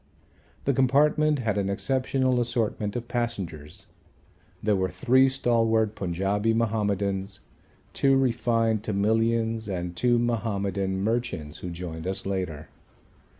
The compartment had an exceptional assortment of passengers. There were three stalwart Punjabi Mahomedans, two refined Tamilians and two Mahomedan merchants who joined us later.